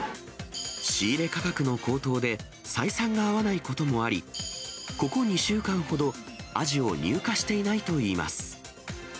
仕入れ価格の高騰で、採算が合わないこともあり、ここ２週間ほど、アジを入荷していないといいます。